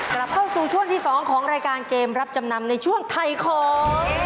กลับเข้าสู่ช่วงที่๒ของรายการเกมรับจำนำในช่วงถ่ายของ